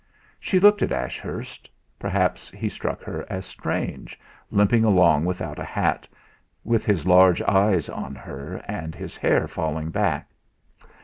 She looked at Ashurst perhaps he struck her as strange, limping along without a hat, with his large eyes on her, and his hair falling back.